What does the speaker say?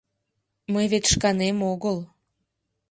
— Мый вет шканем огыл...